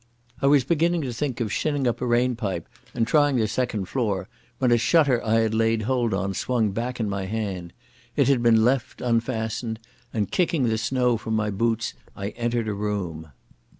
I was beginning to think of shinning up a rain pipe and trying the second floor, when a shutter I had laid hold on swung back in my hand. It had been left unfastened, and, kicking the snow from my boots, I entered a room.